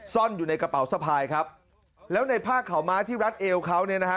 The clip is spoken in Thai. ซ่อนอยู่ในกระเป๋าสะพายครับแล้วในผ้าขาวม้าที่รัดเอวเขาเนี่ยนะฮะ